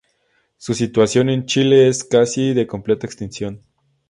Su situación en Chile es casi de completa extinción.